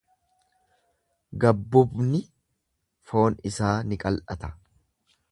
Gabbubni foon isaa ni qal’ata.